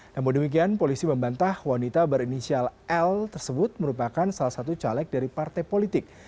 namun demikian polisi membantah wanita berinisial l tersebut merupakan salah satu caleg dari partai politik